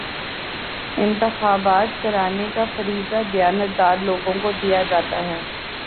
انتخابات کرانے کا فریضہ دیانتدار لوگوں کو دیا گیا ہے